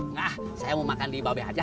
nggak ah saya mau makan di babi aja